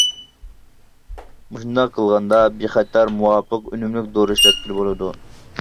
مۇشۇنداق قىلغاندا بىخەتەر، مۇۋاپىق، ئۈنۈملۈك دورا ئىشلەتكىلى بولىدۇ.